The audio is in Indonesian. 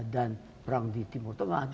dan perang di timur tengah